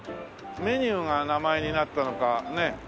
メニューが名前になったのか。